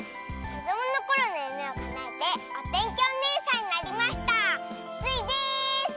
こどものころのゆめをかなえておてんきおねえさんになりましたスイです！